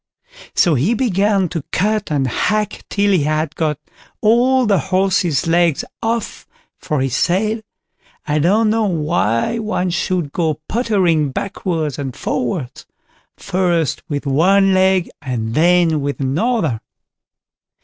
So he began to cut and hack till he had got all the horse's legs off, for he said, I don't know why one should go pottering backwards and forwards—first, with one leg, and then with another.